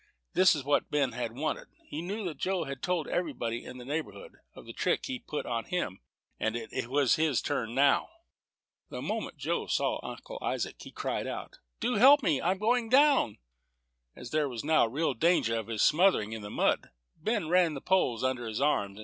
This was just what Ben wanted. He knew that Joe had told everybody in the neighborhood of the trick he put on him, and it was his turn now. The moment Joe saw Uncle Isaac, he cried out, "Do help me; I'm going down." As there was now real danger of his smothering in the mud, Ben ran the poles under his arms.